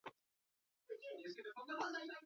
Baina, betiere, giro onari eusten laguntzen du.